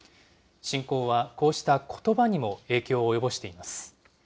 侵攻はこうしたことばにも影響を及ぼしています。